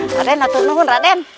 raden atur nunggu raden